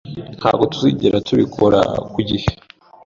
Ntabwo tuzigera tubikora ku gihe.